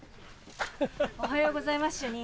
おはようございます主任。